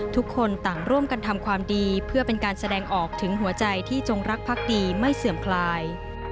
ทุกคนต่างร่วมกันทำความดีเพื่อเป็นการแสดงออกถึงหัวใจที่จงรักพักดีไม่เสื่อมคลาย